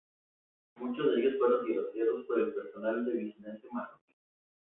Muchos de ellos fueron tiroteados por el personal de vigilancia marroquí.